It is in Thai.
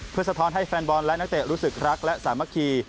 เพื่อสะท้อนให้แฟนบอลและนักเตะรู้สึกรักและสามัคคี